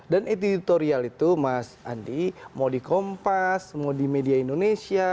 dan editorial itu mas andi mau di kompas mau di media indonesia